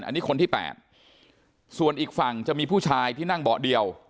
อันนี้คนที่๘ส่วนอีกฝั่งจะมีผู้ชายที่นั่งเบาะเดียว